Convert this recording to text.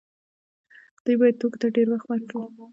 دوی باید توکو ته ډیر وخت ورکړی وای.